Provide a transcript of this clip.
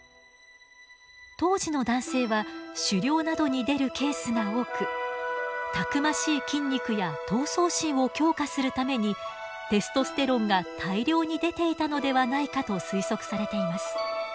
当時の男性は狩猟などに出るケースが多くたくましい筋肉や闘争心を強化するためにテストステロンが大量に出ていたのではないかと推測されています。